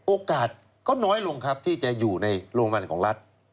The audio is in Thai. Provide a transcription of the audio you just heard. โอกาสก็น้อยลงครับที่จะอยู่ในโรงพยาบาลของรัฐ